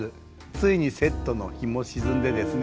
ついにセットの日も沈んでですね